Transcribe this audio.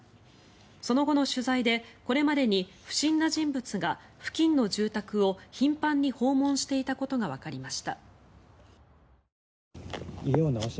その後の取材でこれまでに不審な人物が付近の住宅を頻繁に訪問していたことがわかりました。